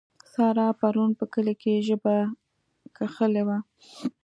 سارا پرون په کلي کې ژبه کښلې وه.